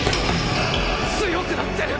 強くなってる！